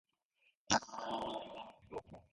His credits range from The Generation Game to Eurotrash.